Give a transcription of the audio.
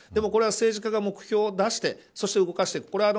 でも、これは政治家が目標を出して動かしていく。